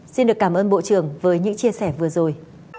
xin được cảm ơn bộ trưởng với những chia sẻ vừa rồi